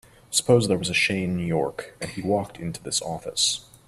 Suppose there was a Shane York and he walked into this office.